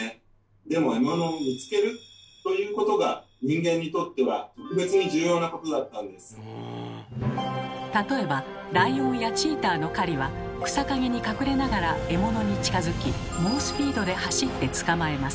でも獲物を「見つける」ということが人間にとっては例えばライオンやチーターの狩りは草かげに隠れながら獲物に近づき猛スピードで走って捕まえます。